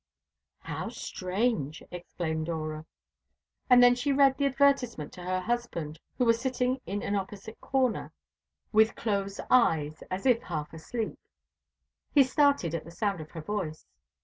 "How strange!" exclaimed Dora; and then she read the advertisement to her husband, who was sitting in an opposite corner, with closed eyes, as if half asleep. He started at the sound of her voice.